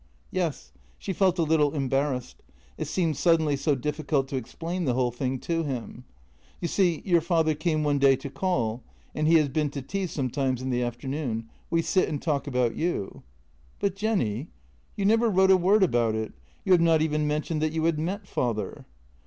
" "Yes." She felt a little embarrassed; it seemed suddenly so difficult to explain the whole thing to him. " You see, your father came one day to call, and he has been to tea sometimes in the afternoon. We sit and talk about you." " But, Jenny, you never wrote a word about it; you have not even mentioned that you had met father."